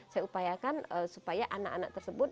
saya upayakan supaya anak anak tersebut